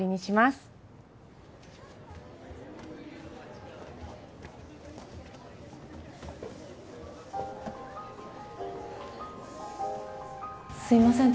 すいません